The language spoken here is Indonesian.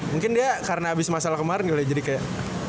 mungkin dia karena abis masalah kemaren gitu ya jadi kayak